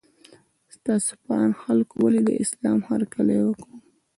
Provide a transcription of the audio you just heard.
ستاسو په اند خلکو ولې له اسلام هرکلی وکړ؟